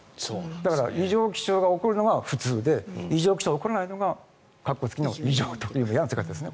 だから、異常気象が起こるのが普通で異常気象が起こらないのが括弧付きの異常ということですね。